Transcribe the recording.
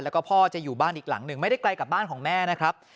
แล้วก็พ่อจะอยู่บ้านอีกหลังหนึ่งไม่ได้ไกลกับบ้านของแม่นะครับ